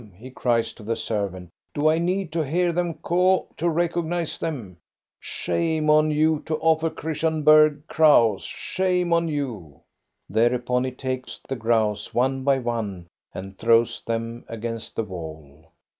he cries to the servant. " Do I need to hear them caw to recog nize them ? Shame on you, to offer Christian Bergh crows ! Shame on you !" Thereupon he takes the grouse, one by one, and throws them against the wall.